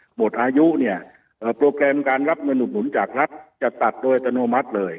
หมดอายุเนี่ยโปรแกรมการรับเงินอุดหนุนจากรัฐจะตัดโดยอัตโนมัติเลย